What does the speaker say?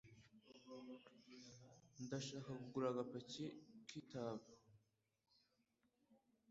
Ndashaka kugura agapaki k'itabi.